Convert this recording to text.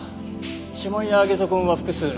指紋やゲソ痕は複数。